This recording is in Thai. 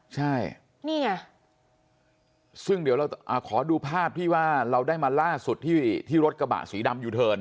ใช่นี่ไงซึ่งเดี๋ยวเราขอดูภาพที่ว่าเราได้มาล่าสุดที่รถกระบะสีดำยูเทิร์น